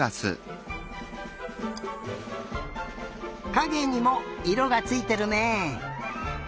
かげにもいろがついてるね。